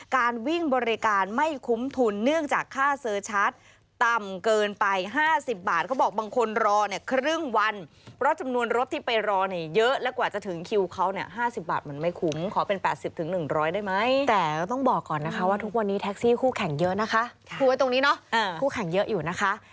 คู่ไว้ตรงนี้เนอะคู่แข่งเยอะอยู่นะคะ